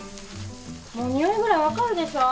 もうにおいぐらい分かるでしょ？